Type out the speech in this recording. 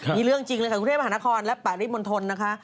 มีเรื่องจริงเลยค่ะสุขีเทพธ์หานครและปะริบมนทรนะคะ